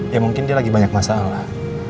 ya mungkin dia lagi banyak masalah